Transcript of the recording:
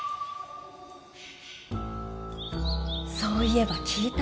そういえば聞いた？